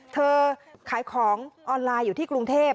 เธอขายของออนไลน์อยู่ที่กรุงเทพ